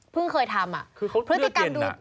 เพิ่งเคยทำอะ